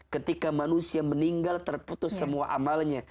ketika manusia meninggal terputus semua amalnya